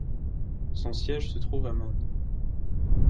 Son siège se trouve à Mende.